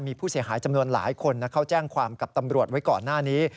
มีผู้เสียหายจำนวนหลายคนเข้าแจ้งความกับตำรวจไว้ก่อนหน้านี้